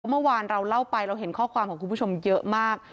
เมื่อวานเราเล่าไปเราเห็นข้อความของคุณผู้ชมเยอะมาก